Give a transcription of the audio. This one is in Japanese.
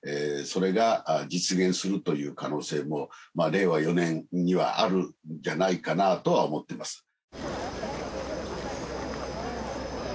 それが実現するという可能性も令和４年にはあるんじゃないかなとは思ってます。